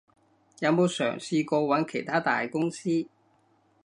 有冇嘗試過揾其它大公司？